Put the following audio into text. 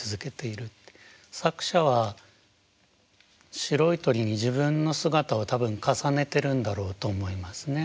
作者は白い鳥に自分の姿を多分重ねてるんだろうと思いますね。